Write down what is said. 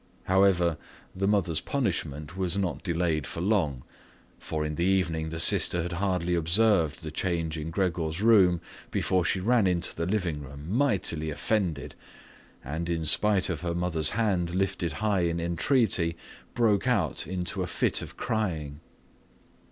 However, the mother's punishment was not delayed for long. For in the evening the sister had hardly observed the change in Gregor's room before she ran into the living room mightily offended and, in spite of her mother's hand lifted high in entreaty, broke out in a fit of crying.